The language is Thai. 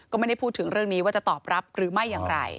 ก็ไม่ได้พูดถึงเรื่องนี้ว่าจะตอบรับหรือไม่อย่างไร